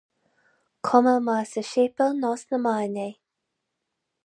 Cuma más i séipéal nó sna meáin é.